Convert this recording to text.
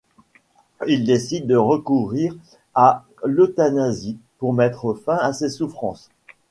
Il décide de recourir à l'euthanasie pour mettre fin à ses soufsrances.